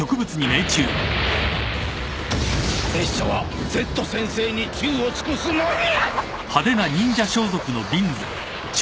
拙者はＺ先生に忠を尽くすのみ。